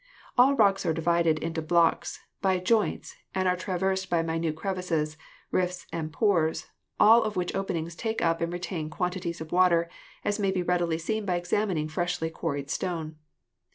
All rocks are divided into blocks by joints and are traversed by minute crevices, rifts and pores, all of which openings take up and retain quantities of water, as may readily be seen by examining freshly quarried stone.